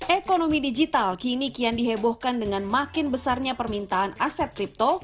ekonomi digital kini kian dihebohkan dengan makin besarnya permintaan aset kripto